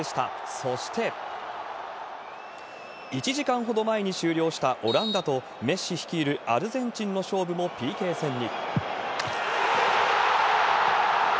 そして、１時間ほど前に終了したオランダと、メッシ率いるアルゼンチンの勝負もＰＫ戦に。